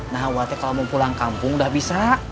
nah khawatir kalau mau pulang kampung udah bisa